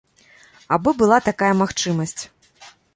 Абы была такая магчымасць.